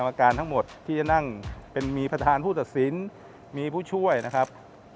กรรมการทั้งหมดที่จะนั่งเป็นมีประธานผู้ตัดสินมีผู้ช่วยนะครับ